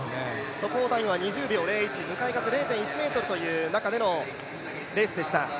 速報タイムは２０秒０１、向かい風０．１メートルという中でのレースでした。